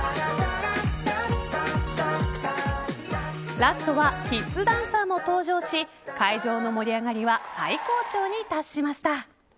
ラストはキッズダンサーも登場し会場の盛り上がりは最高潮に達しました。